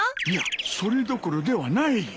いやそれどころではない！